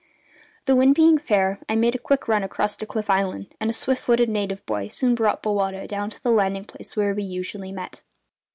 The wind being fair, I made a quick run across to Cliff Island; and a swift footed native boy soon brought Bowata down to the landing place where we usually met.